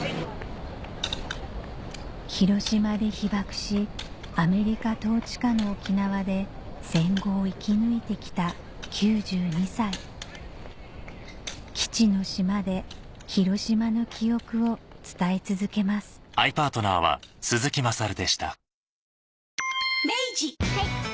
広島で被爆しアメリカ統治下の沖縄で戦後を生き抜いてきた９２歳「基地の島」で広島の記憶を伝え続けますはい。